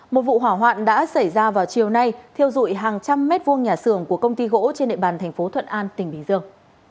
một vụ hỏa hoạn đã xảy ra vào chiều nay thiêu dụi hàng trăm mét vuông nhà xưởng của công ty gỗ trên địa bàn thành phố thuận an tỉnh bình dương